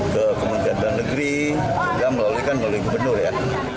ke kemudian dan negeri yang melalui kan melalui kebenar ya